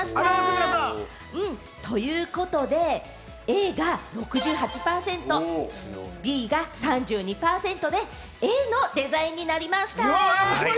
ということで、Ａが６８％、Ｂが３２％で、Ａのデザインになりました！